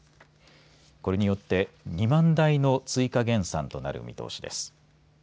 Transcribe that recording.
これによって２万台の追加減産となる見通しです。